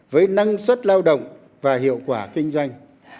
với năng suất lao động và hiệu quả kinh doanh